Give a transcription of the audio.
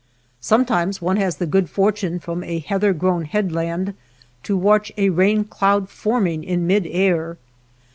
Sometimes one has the good for tune from a heather grown headland to watch a rain cloud forming in mid air.